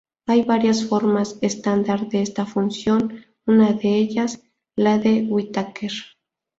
Hay varias formas estándar de esta función, una de ellas la de Whittaker.